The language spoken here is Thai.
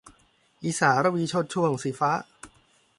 อีสา-รวีช่วงโชติ - สีฟ้า